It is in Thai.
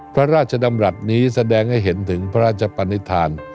พระราชดำรัฐนี้แสดงให้เห็นถึงพระราชปนิษฐาน